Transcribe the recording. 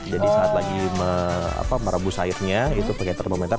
jadi saat lagi merabu sayapnya itu pakai termometer